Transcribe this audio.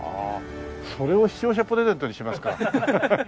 それを視聴者プレゼントにしますか。